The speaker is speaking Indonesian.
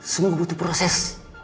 semua butuh proses